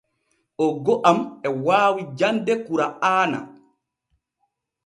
Oggo am e waawi jande kura’aana.